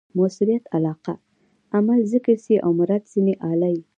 مؤثریت علاقه؛ عمل ذکر سي او مراد ځني آله يي.